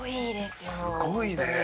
すごいね。